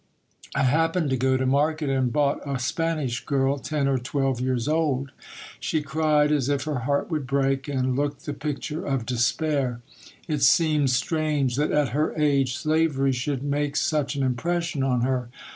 I happened to go to market, and bought a Spanish girl, ten or twelve years old. She cried as if her heart would break, and looked the picture of despair. It seemed strange, that at her age slavery should make such an impression on her.